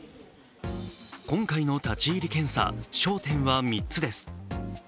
今回の立ち入り検査、焦点は３つです。